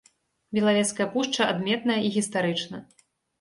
Белавежская пушча адметная і гістарычна.